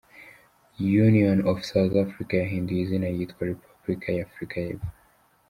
Union of South Africa yahinduye izina yitwa Repubulika ya Afurika y’epfo.